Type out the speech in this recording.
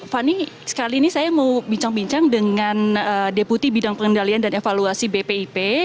fani sekali ini saya mau bincang bincang dengan deputi bidang pengendalian dan evaluasi bpip